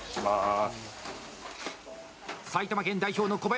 埼玉県代表の小林。